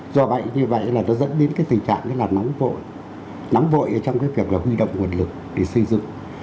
do vậy thì vậy là nó dẫn đến tình trạng nóng vội nóng vội trong việc huy động nguồn lực để xây dựng